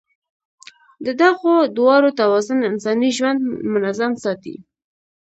د دغو دواړو توازن انساني ژوند منظم ساتي.